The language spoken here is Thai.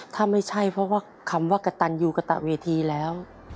ถ้าไม่ใช่เพราะว่าคำว่ากระตันอยู่กระตะเวทีแล้ว